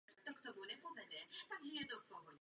Jen občas ho navštěvuje.